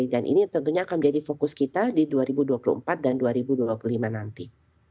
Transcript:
dan ini tentunya akan menjadi fokus kita di dua ribu dua puluh empat dan dua ribu dua puluh lima nanti